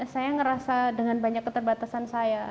saya ngerasa dengan banyak keterbatasan saya